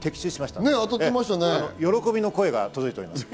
その喜びの声が届いております。